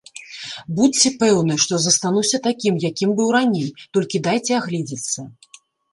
Будзьце пэўны, што застануся такім, якім быў раней, толькі дайце агледзецца.